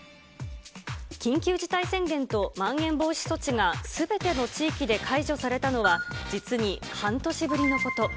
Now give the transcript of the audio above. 緊急事態宣言とまん延防止措置がすべての地域で解除されたのは、実に半年ぶりのこと。